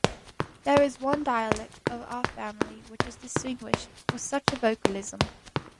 There is one dialect of our family which is distinguished for such a vocalism.